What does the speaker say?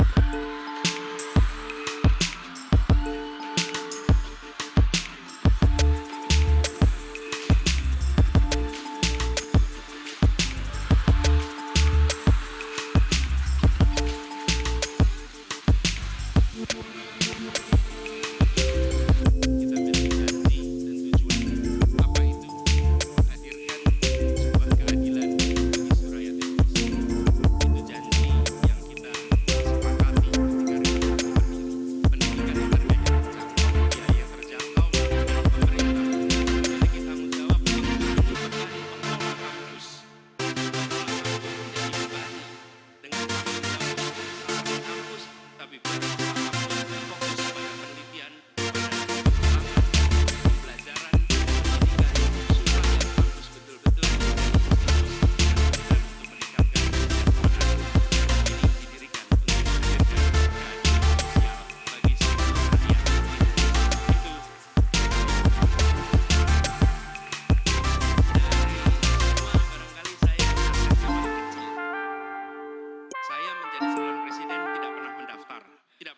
keadilan di suraya tenggara